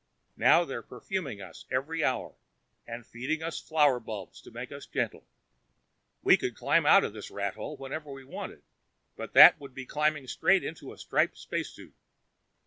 Now they're perfuming us every hour and feeding us flower bulbs to make us gentle. We could climb out of this rat hole whenever we wanted, but that would be climbing straight into a striped spacesuit.